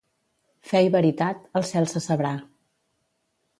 Fe i veritat, al cel se sabrà.